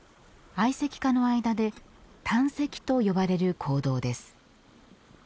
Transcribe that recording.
愛石家の間で探石と呼ばれる行動です。